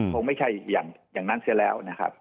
คงไม่ใช่อย่างนั้นเสียแล้วนะครับ